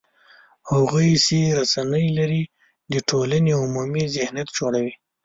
هغوی چې رسنۍ یې لري، د ټولنې عمومي ذهنیت جوړوي